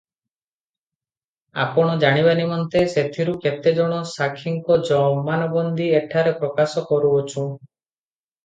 ଆପଣ ଜାଣିବା ନିମନ୍ତେ ସେଥିରୁ କେତେ ଜଣ ସାକ୍ଷୀଙ୍କ ଜମାନବନ୍ଦି ଏଠାରେ ପ୍ରକାଶ କରୁଅଛୁଁ -